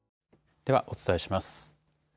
ではお伝えします。